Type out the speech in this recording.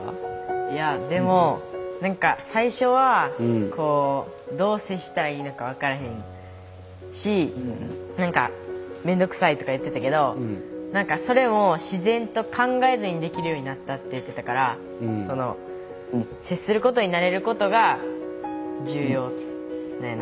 いやでも何か最初はこうどう接したらいいのか分からへんし何か面倒くさいとか言ってたけどそれも自然と考えずにできるようになったって言ってたから接することに慣れることが重要なんやなって思いました。